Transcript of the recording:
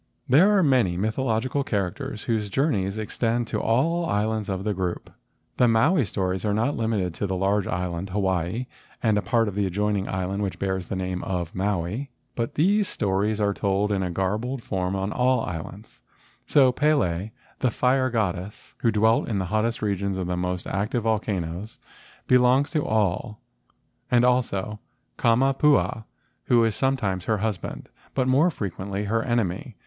There are many mythological characters whose journeys extend to all the islands of the group. The Maui stories are not limited to the large island Hawaii and a part of the adjoining island which bears the name of Maui, but these stories are told in a garbled form on all the islands. So Pele, the fire goddess, who dwelt in the hottest regions of the most active volcanoes, belongs to all, and also Kamapuaa, who is sometimes her husband, but more frequently her enemy.